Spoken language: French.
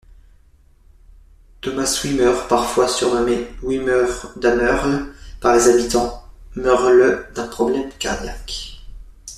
Thomas Wimmer, parfois surnommé „Wimmer Dammerl“ par les habitants, meurt le d'un problème cardiaque.